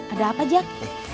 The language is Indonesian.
ada apa jack